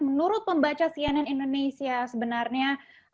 menurut pembaca cnn indonesia sebenarnya